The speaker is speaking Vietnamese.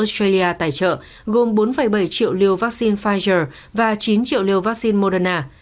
australia tài trợ gồm bốn bảy triệu liều vaccine pfizer và chín triệu liều vaccine moderna